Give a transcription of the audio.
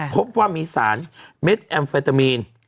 พบว่ามีสารเม็ดแอมเฟตามีน